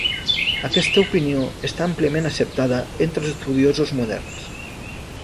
Aquesta opinió està àmpliament acceptada entre els estudiosos moderns.